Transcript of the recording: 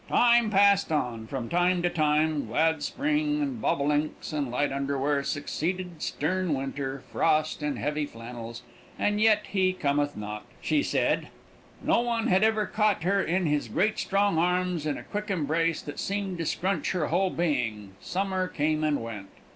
Time passed on, from time to time, glad spring, and bobolinks, and light underwear succeeded stern winter, frost, and heavy flannels, and yet he cometh not, she sayed. No one had ever caught her in his great strong arms in a quick embrace that seemed to scrunch her whole being. Summer came and went.